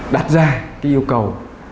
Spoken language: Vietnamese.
đặt ra cái yêu cầu